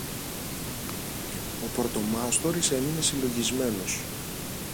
Ο πρωτομάστορης έμεινε συλλογισμένος.